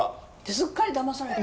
すっかりだまされた。